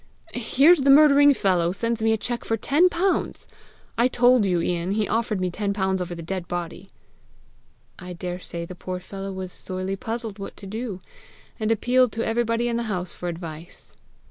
here's the murdering fellow sends me a cheque for ten pounds! I told you, Ian, he offered me ten pounds over the dead body!" "I daresay the poor fellow was sorely puzzled what to do, and appealed to everybody in the house for advice!"